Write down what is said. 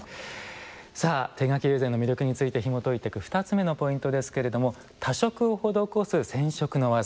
さあ手描き友禅の魅力についてひもといていく２つ目のポイントですけれども多色を施す染色の技。